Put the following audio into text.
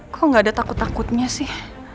kok gak ada takut takutnya sih